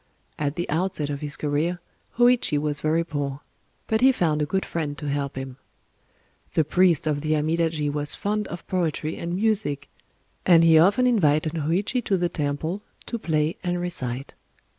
At the outset of his career, Hōïchi was very poor; but he found a good friend to help him. The priest of the Amidaji was fond of poetry and music; and he often invited Hōïchi to the temple, to play and recite.